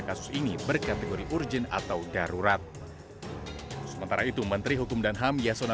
kasus ini berkategori urgen atau darurat sementara itu menteri hukum dan ham yasona